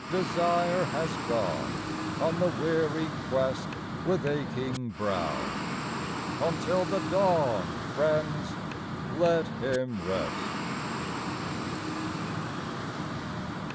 Desire has gone On the weary quest With aching brow: Until the dawn, Friends, let him rest.